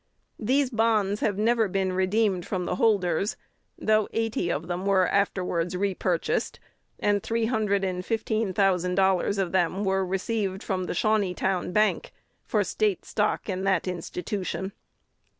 These bonds have never been redeemed from the holders, though eighty of them were afterwards repurchased, and three hundred and fifteen thousand dollars of them were received from the Shawneetown Bank for State stock in that institution."